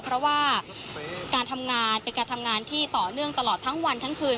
เพราะว่าการทำงานเป็นการทำงานที่ต่อเนื่องตลอดทั้งวันทั้งคืน